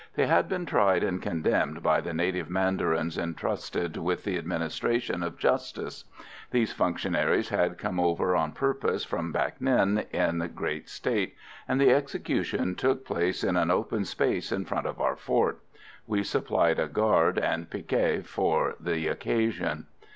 They had been tried and condemned by the native mandarins entrusted with the administration of justice. These functionaries had come over on purpose from Bac Ninh in great state, and the execution took place in an open space in front of our fort. We supplied a guard and picquet for the occasion.